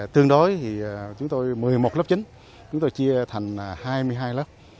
tương đối chúng tôi một mươi một lớp chính chúng tôi chia thành hai mươi hai lớp